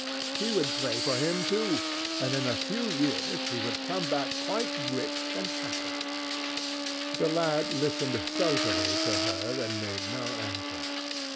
She would pray for him, too, and in a few years he would come back quite rich and happy. The lad listened sulkily to her and made no answer.